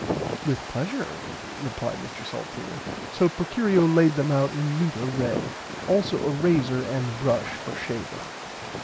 With pleashure replied Mr Salteena. So Procurio laid them out in neat array also a razer and brush for shaving.